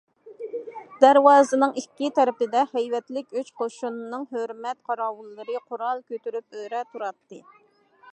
دەرۋازىنىڭ ئىككى تەرىپىدە ھەيۋەتلىك ئۈچ قوشۇننىڭ ھۆرمەت قاراۋۇللىرى قورال كۆتۈرۈپ ئۆرە تۇراتتى.